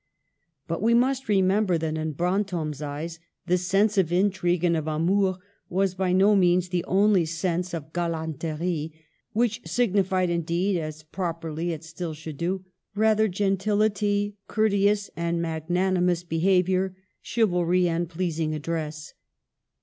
But we must remember that in Brantome's eyes the sense of intrigue and of amours was by no means the only sense of galanterie, which signified indeed — as properly it still should do ■— rather gentility, courteous and magnanimous behavior, chivalry, and pleasing address.